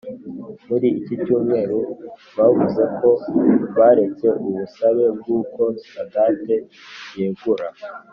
muri iki cyumweru bavuze ko baretse ubusabe bwuko sadate yegura